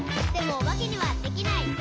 「でもおばけにはできない。」